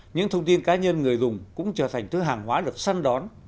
những thông tin cá nhân người dùng cũng trở thành thứ hàng hóa được săn đón